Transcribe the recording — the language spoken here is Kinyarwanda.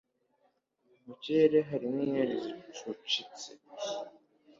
mukirere hari inyenyeri zicucitse